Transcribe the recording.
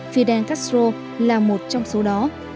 fidel castro là một trong số đó